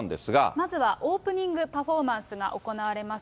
まずはオープニングパフォーマンスが行われます。